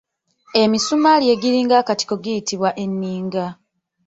Emisumaali egiringa akatiko giyitibwa Enninga.